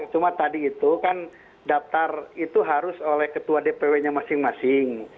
cuma tadi itu kan daftar itu harus oleh ketua dpw nya masing masing